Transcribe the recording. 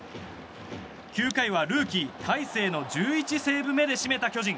９回はルーキー、大勢の１１セーブ目で占めた巨人。